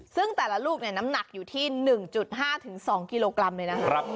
ซึ่งแต่ละลูกน้ำหนักอยู่ที่๑๕๒กิโลกรัมเลยนะคะ